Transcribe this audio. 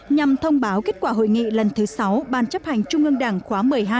nhằm thông báo kết quả hội nghị lần thứ sáu ban chấp hành trung ương đảng khóa một mươi hai